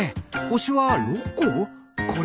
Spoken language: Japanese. ほしは６こ？